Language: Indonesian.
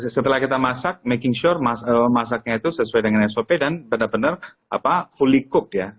setelah kita masak making shore masaknya itu sesuai dengan sop dan benar benar fully cook ya